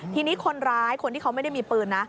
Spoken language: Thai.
ทีนี้คนร้ายคนที่เขาไม่ได้มีปืนนะ